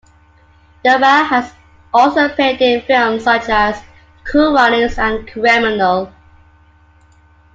Yoba has also appeared in films such as "Cool Runnings" and "Criminal".